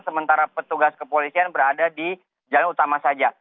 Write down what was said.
sementara petugas kepolisian berada di jalan utama saja